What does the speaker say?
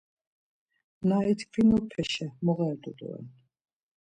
Na itkvinupeşe moğerdu doren.